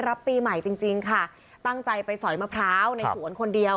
รับปีใหม่จริงจริงค่ะตั้งใจไปสอยมะพร้าวในสวนคนเดียว